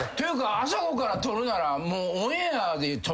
あそこから撮るなら。